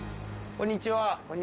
こんにちは。